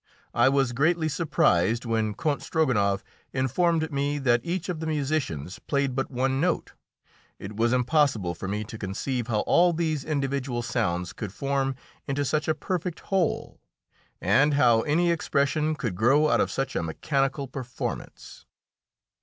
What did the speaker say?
I was greatly surprised when Count Strogonoff informed me that each of the musicians played but one note; it was impossible for me to conceive how all these individual sounds could form into such a perfect whole, and how any expression could grow out of such a mechanical performance.